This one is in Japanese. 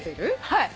はい。